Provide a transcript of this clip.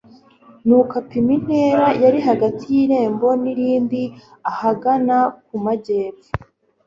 nuko apima intera yari hagati y irembo n irindi ahagana mu majyepfo